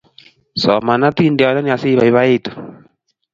soman otindiondeni asi ibaibaitu